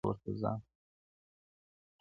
• نر دي بولمه زاهده که دي ټینګ کړ ورته ځان -